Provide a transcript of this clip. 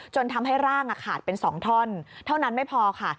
ทำให้ร่างขาดเป็น๒ท่อนเท่านั้นไม่พอค่ะ